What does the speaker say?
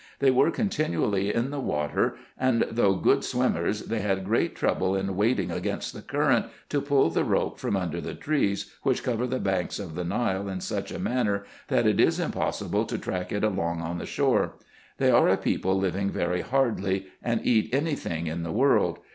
They were continually in the water ; and, though good swimmers, they had great trouble in wading against the currant to pull the rope from under the trees, which cover the banks of the Nile in such a manner, that it is impossible to track it along on the shore. They are a people living very hardly, and eat any thing in the world.